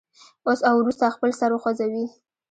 اوس او وروسته خپل سر وخوځوئ.